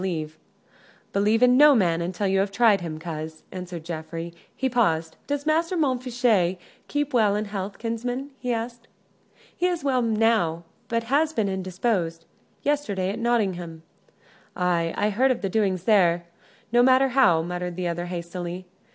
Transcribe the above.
"Believe in no man until you have tried him, coz," answered Geoffrey. He paused. "Does Master Montfichet keep well in health, kinsman?" he asked. "He is well, now, but has been indisposed.... Yesterday at Nottingham " "Ay, I heard of the doings there no matter how," muttered the other, hastily.